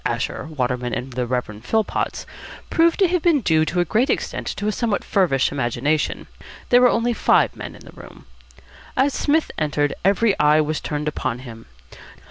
Asher, Waterman, and the Rev. Philpotts proved to have been due to a great extent to a somewhat feverish imagination. There were only five men in the room. As Psmith entered, every eye was turned upon him.